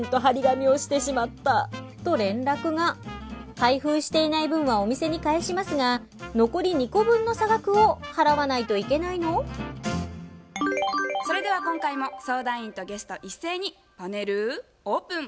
開封していない分はお店に返しますが残り２個分のそれでは今回も相談員とゲスト一斉にパネルオープン。